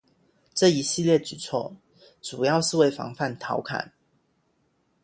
这一系列举措主要是为防范陶侃。